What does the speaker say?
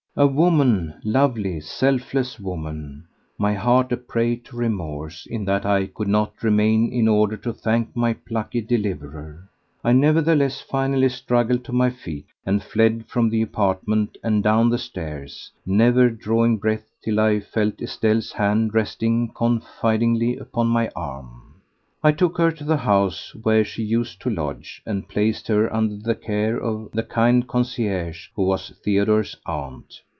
Ah, woman! lovely, selfless woman! My heart a prey to remorse, in that I could not remain in order to thank my plucky deliverer, I nevertheless finally struggled to my feet and fled from the apartment and down the stairs, never drawing breath till I felt Estelle's hand resting confidingly upon my arm. 5. I took her to the house where she used to lodge, and placed her under the care of the kind concierge who was Theodore's aunt.